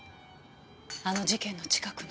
あの事件の近くの。